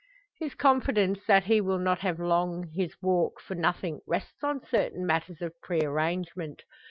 His confidence that he will not have long his walk for nothing rests on certain matters of pre arrangement.